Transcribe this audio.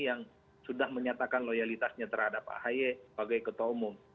yang sudah menyatakan loyalitasnya terhadap ahy sebagai ketua umum